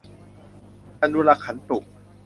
อะนุรักขันตุ